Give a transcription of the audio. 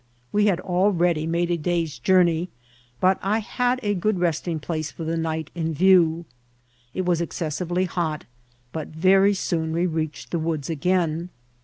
We had already made a day's journey, but I had a good resting place for the night in view. It was excessively hot, but very soon we reached the woods again.